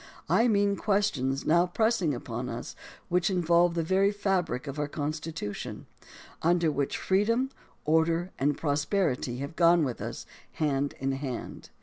I mean questions now pressing upon us which involve the very fabric of our Constitution, under which freedom, order, and prosperity have gone with us hand in hand.